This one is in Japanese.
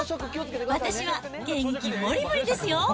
私は元気もりもりですよ。